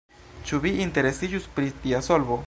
Ĉu vi interesiĝus pri tia solvo?